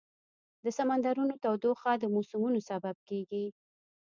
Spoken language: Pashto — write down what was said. د سمندرونو تودوخه د موسمونو سبب کېږي.